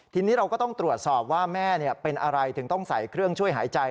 ทีนี้เราก็ต้องตรวจสอบว่าแม่เป็นอะไรถึงต้องใส่เครื่องช่วยหายใจ